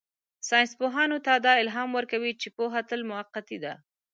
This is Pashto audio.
ساینسپوهانو ته دا الهام ورکوي چې پوهه تل موقتي ده.